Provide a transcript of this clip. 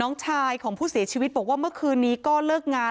น้องชายของผู้เสียชีวิตบอกว่าเมื่อคืนนี้ก็เลิกงาน